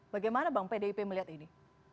bagaimana bang pdip melihat ini